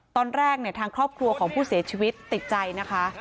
ตอนแรกทางครอบครัวของผู้เสียชีวิตติดใจนะคะ